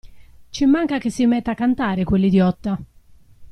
Ci manca che si metta a cantare, quell'idiota!